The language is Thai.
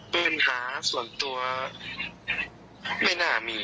ปัญหาส่วนตัวไม่น่ามี